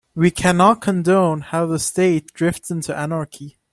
We cannot condone how the state drifts into anarchy.